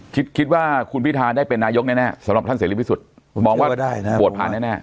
คิดว่าคุณพิทาได้เป็นนายกแน่สำหรับท่านเสรีพิสุทธิ์คุณมองว่าโหวตผ่านแน่